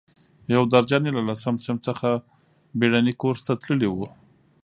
یو درجن یې له لسم صنف څخه بېړني کورس ته تللي وو.